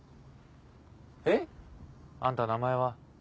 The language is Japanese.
えっ？あんた名前は？